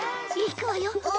行くわよ！